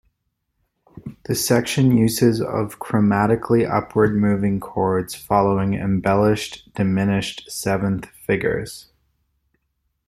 The section uses of chromatically upward moving chords following embellished diminished seventh figures.